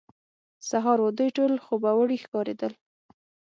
سهار وو، دوی ټول خوبوړي ښکارېدل.